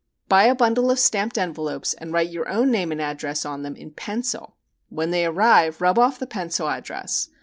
Buy a bundle of stamped envelopes and write your own name and address on them in pencil. When they arrive rub off the pencil address.